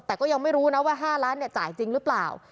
แต่ก็ยังไม่รู้นะว่า๕ล้านจ่ายจริงหรือเปล่า